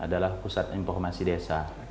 adalah pusat informasi desa